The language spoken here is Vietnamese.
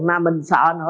mà mình sợ nữa